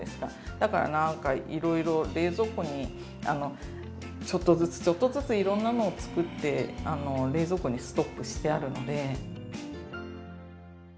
だからなんかいろいろ冷蔵庫にちょっとずつちょっとずついろんなのを作って冷蔵庫にストックしてあるので。